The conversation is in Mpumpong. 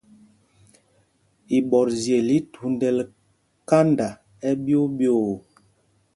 Iɓɔtzyel i thúndɛl kanda ɛɓyoo ɓyoo.